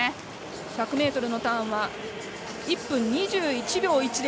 １００ｍのターンは１分２１秒１０。